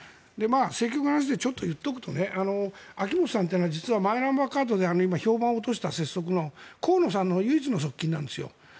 政局の話でちょっと言っておくと秋本議員というのはマイナンバーで評判を落とした河野さんの唯一の側近なんです。